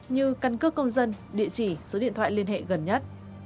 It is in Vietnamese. như căn cước công dân địa chỉ số điện thoại liên hệ gần nhất